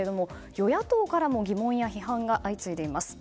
与野党からも疑問や批判が相次いでいます。